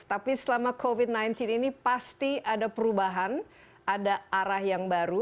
tapi selama covid sembilan belas ini pasti ada perubahan ada arah yang baru